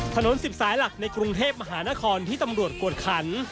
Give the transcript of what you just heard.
ถนน๑๐สายหลักในกรุงเทพมหานครที่ตำรวจกวดขัน